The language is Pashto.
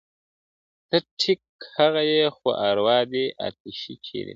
ته ټيک هغه یې خو اروا دي آتشي چیري ده.